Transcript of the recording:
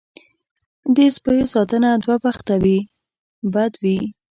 دې سپیو ساتنه دوه بخته وي بد وي.